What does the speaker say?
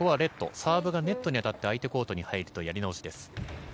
サーブがネットに当たって相手コートに入るとやり直しです。